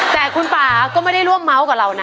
แต่คุณป่าก็ไม่ได้ร่วมเมาส์กับเรานะ